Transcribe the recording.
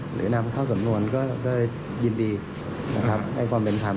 หรือนำเข้าส่วนมนตร์ก็ได้ยินดีได้ความเป็นธรรม